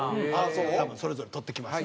多分それぞれ撮ってきました。